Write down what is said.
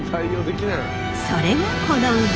それがこの馬。